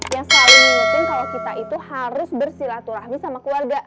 yang selalu ngikutin kalo kita itu harus bersilaturahmi sama keluarga